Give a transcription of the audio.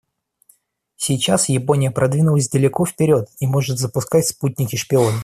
Сейчас Япония продвинулась далеко вперед и может запускать спутники-шпионы.